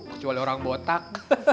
kecuali orang botak